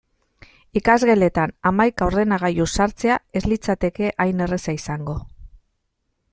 Ikasgeletan hamaika ordenagailu sartzea ez litzateke hain erraza izango.